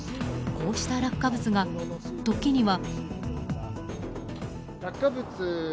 こうした落下物が、時には。